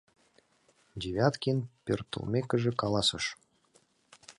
— Девяткин пӧртылмекыже каласыш.